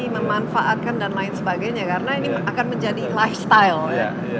memanfaatkan dan lain sebagainya karena ini akan menjadi lifestyle ya